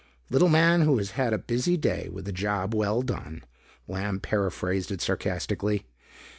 "Little man who has had a busy day with a job well done," Lamb paraphrased it sarcastically.